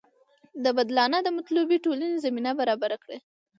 دا بدلانه د مطلوبې ټولنې زمینه برابره کړي.